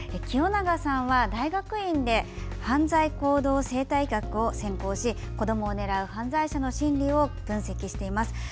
清永さんは大学院で犯罪行動生態学を専攻し子どもを狙う犯罪者の心理を分析しています。